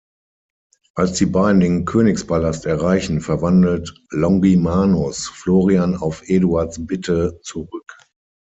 Als die beiden den Königspalast erreichen, verwandelt Longimanus Florian auf Eduards Bitte zurück.